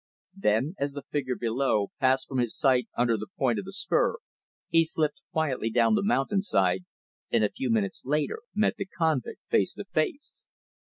Then, as the figure below passed from his sight, under the point of the spur, he slipped quietly down the mountainside, and, a few minutes later, met the convict face to face.